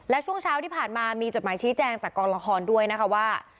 และช่วงเช้าที่ผ่านมามีจดหมายชี้แจงจากกองละครด้วยนะคะว่า